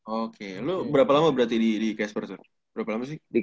oke lu berapa lama berarti di casper tuh berapa lama sih